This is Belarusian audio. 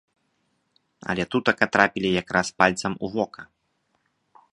Але тутака трапілі якраз пальцам у вока.